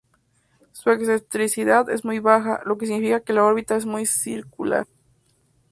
Su excentricidad es muy baja, lo que significa que la órbita es muy circular.